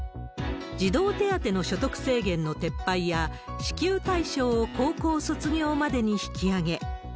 児童手当の所得制限の撤廃や、支給対象を高校卒業までに引き上げ。